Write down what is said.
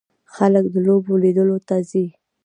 خلک د لوبو لیدلو ته ځي.